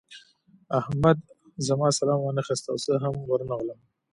احمد زما سلام وانخيست او زه هم راغلم.